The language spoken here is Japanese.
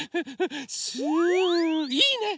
いいね。